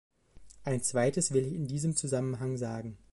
Ein zweites will ich in diesem Zusammenhang sagen.